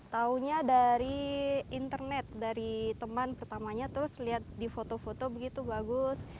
taunya dari internet dari teman pertamanya terus lihat di foto foto begitu bagus